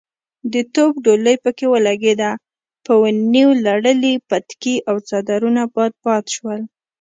د توپ ډولۍ پکې ولګېده، په ونيو لړلي پټکي او څادرونه باد باد شول.